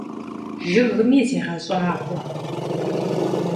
Жыгми зегъэщӏагъуэ.